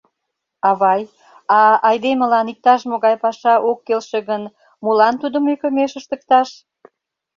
— Авай, а айдемылан иктаж-могай паша ок келше гын, молан тудым ӧкымеш ыштыкташ?